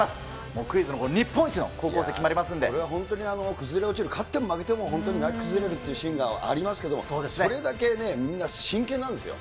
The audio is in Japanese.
もうクイズの日本一の高校生決まこれは本当に崩れ落ちる、勝っても負けても本当に泣き崩れるっていうシーンがありますけど、それだけね、みんな真剣なんですよ。